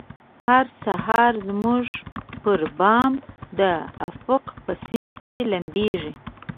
هر سهار زموږ پربام د افق په سیند کې لمبیږې